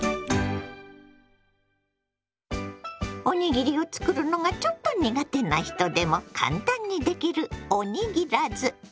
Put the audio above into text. おにぎりを作るのがちょっと苦手な人でも簡単にできるおにぎらず。